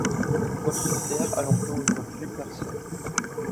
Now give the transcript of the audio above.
Pour ce faire, elle emploie aujourd'hui personnes.